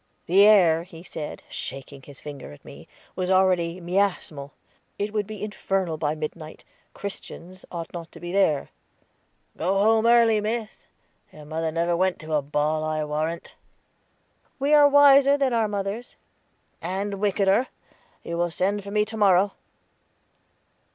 The air, he said, shaking his finger at me, was already miasmal; it would be infernal by midnight Christians ought not to be there. "Go home early, Miss. Your mother never went to a ball, I'll warrant." "We are wiser than our mothers." "And wickeder; you will send for me to morrow."